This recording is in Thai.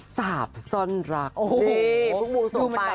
สาบซ่อนรักดิภูมิมูส่งไป